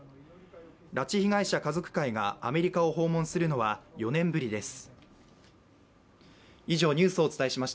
拉致被害者家族会がアメリカを訪問するのは４年ぶりです。